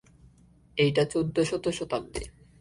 এইটা চৌদ্দশত শতাব্দী।